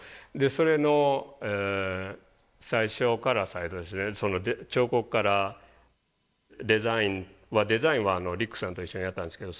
それの最初からその彫刻からデザインはデザインはリックさんと一緒にやったんですけど。